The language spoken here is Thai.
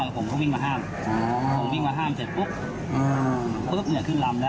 สุดละมุนอีกรอบ